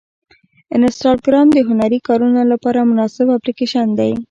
انسټاګرام د هنري کارونو لپاره مناسب اپلیکیشن دی.